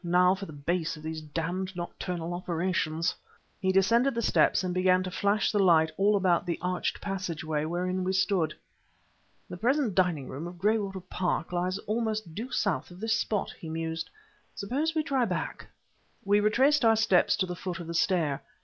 "Now for the base of these damned nocturnal operations." He descended the steps and began to flash the light all about the arched passageway wherein we stood. "The present dining room of Graywater Park lies almost due south of this spot," he mused. "Suppose we try back." We retraced our steps to the foot of the stair.